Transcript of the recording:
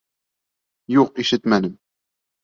Юҡ, ишетмәнем.